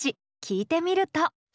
聴いてみると。